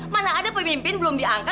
mana ada pemimpin belum diangkat